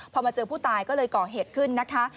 พอมาเจอผู้ตายก็เลยก่อเหตุขึ้นนะคะ